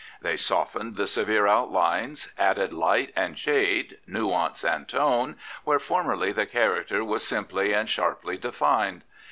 They softened the severe outlines, added light and shade, ^ ^ance and tone, where formerly the character was simpfe'and sharply defined.